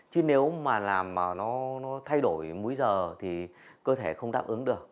chứ nếu mà làm mà nó thay đổi múi giờ thì cơ thể không đáp ứng được